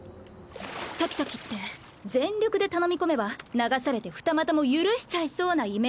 サキサキって全力で頼み込めば流されて二股も許しちゃいそうなイメージ。